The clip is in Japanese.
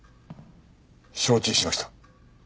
承知しました。